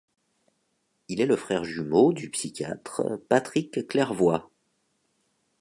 Il est le frère jumeau du psychiatre Patrick Clervoy.